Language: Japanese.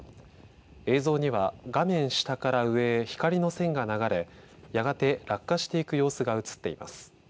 映像には画面下から上に光の線が流れやがて落下していく様子が映っています。